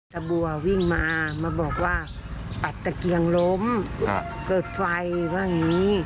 ตะบัววิ่งมามาบอกว่าปัดตะเกียงล้มเกิดไฟว่าอย่างนี้